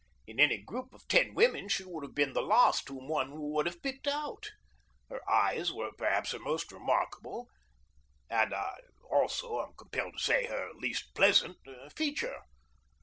In any group of ten women she would have been the last whom one would have picked out. Her eyes were perhaps her most remarkable, and also, I am compelled to say, her least pleasant, feature.